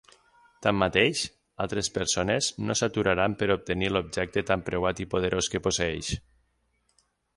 Tanmateix, altres persones no s'aturaran per obtenir l'objecte tan preuat i poderós que posseeix.